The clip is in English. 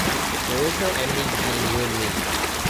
There is no enemy between you and me.